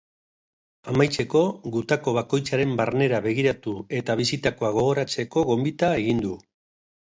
Amaitzeko, gutako bakoitzaren barnera begiratu eta bizitakoa gogoratzeko gonbita egin du.